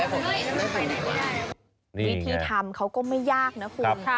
วิธีทำเขาก็ไม่ยากนะคุณ